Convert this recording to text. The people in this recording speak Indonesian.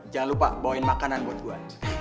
jangan lupa bawain makanan buat gue